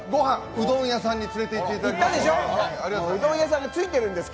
うどん屋さんに連れていっていただいて。